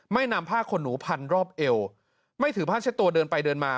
นำผ้าขนหนูพันรอบเอวไม่ถือผ้าเช็ดตัวเดินไปเดินมา